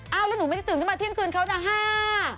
เอ้าแล้วหนูไม่ได้ตื่นมาเที่ยงคืนเค้านะห้า